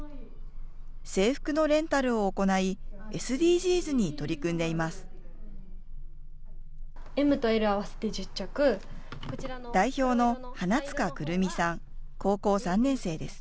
制服のレンタルを行い、ＳＤＧｓに取り組んでいます。